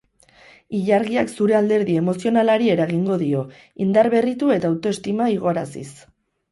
Ilargiak zure alderdi emozionalari eragingo dio, indarberritu eta autoestima igoaraziz.